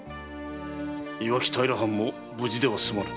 磐城平藩も無事では済まぬ。